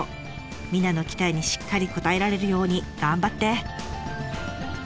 皆の期待にしっかり応えられるように頑張って！